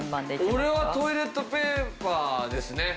俺はトイレットペーパーですね。